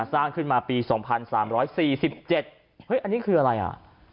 สร้างขึ้นมาปี๒๓๔๗เฮ้ยอันนี้คืออะไรอ่ะ